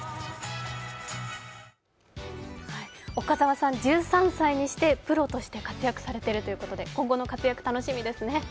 岡澤さん、１３歳にしてプロとして活躍されているということで今後の活躍、楽しみですね。